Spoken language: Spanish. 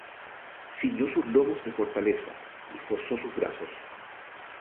Ciñó sus lomos de fortaleza, Y esforzó sus brazos.